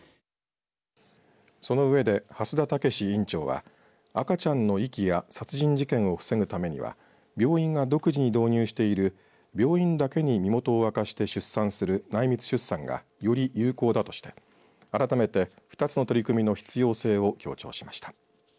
その上で、蓮田健院長は赤ちゃんの遺棄や殺人事件を防ぐためには病院が独自に導入している病院だけに身元を明かして出産する内密出産がより有効だとして改めて２つの取り組みの必要性を強調しました。